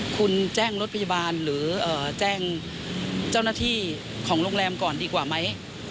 คุณแจ้งรถพยาบาลหรือแจ้งเจ้าหน้าที่ของโรงแรมก่อนดีกว่าไหม